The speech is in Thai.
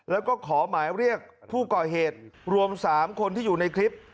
แล้วก็ขอหมายเรียกผู้ก่อเหตุรวม๓คนที่อยู่ในคลิป